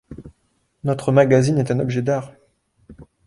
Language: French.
Notre magazine est un objet d'art.